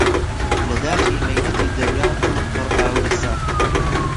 لە داخی مەینەتی دەوران دلم پر ئاورە ساقی